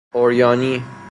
عریانی